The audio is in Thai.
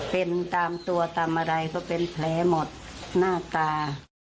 เป็นตามตัวตามอะไรก็เป็นแผลหมดหน้าตา